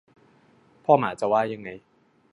พ่อหมาจะว่ายังไง